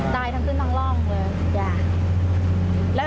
ได้ทั้งคืนทั้งร่องเลย